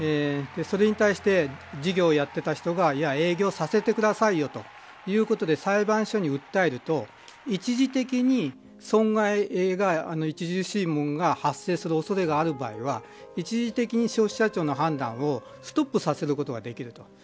それに対して事業をやっていた人が営業をさせてくださいということで裁判所に訴えると一時的に損害が著しいものが発生する恐れがある場合は、一時的に消費者庁の判断をストップさせることができると。